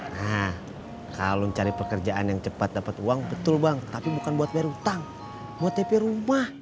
nah kalau mencari pekerjaan yang cepat dapat uang betul bang tapi bukan buat bayar utang buat tp rumah